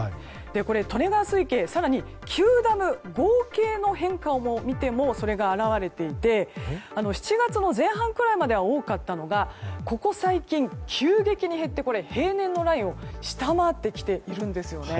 利根川水系更に９ダム合計の変化を見てもそれが表れていて７月の前半くらいまでは多かったのがここ最近、急激に減って平年のラインを下回ってきているんですよね。